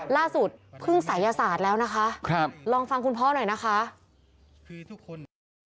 พึ่งศัยศาสตร์แล้วนะคะครับลองฟังคุณพ่อหน่อยนะคะคือทุกคน